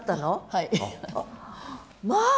はい。